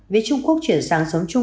việc trung quốc chuyển sang sống chung